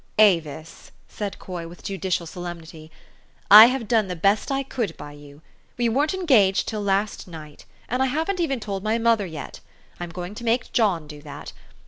"Avis," said Coy with judicial solemnity, "I have done the best I could by you. We weren't engaged till last night ; and I haven't even told my mother yet. I'm going to make John do that.